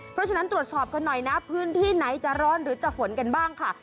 เพราะฉะนั้นตรวจสอบกันหน่อยนะพื้นที่ไหนจะร้อนหรือจะฝนกันบ้างค่ะ